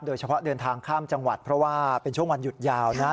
โดยเฉพาะเดินทางข้ามจังหวัดเพราะว่าเป็นช่วงวันหยุดยาวนะ